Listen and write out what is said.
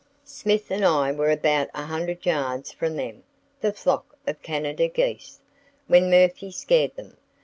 "Smith and I were about a hundred yards from them [the flock of Canada geese], when Murphy scared them.